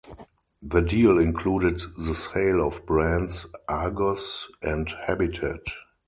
The deal included the sale of brands Argos and Habitat.